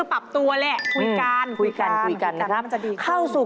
เอาว่าคู้จิ๊บเค้าร่วมปี๙๐ยุคเก้าศูนย์